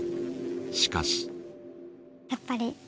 しかし。